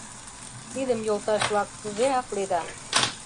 Тидым, йолташ-влак, кузе акледа?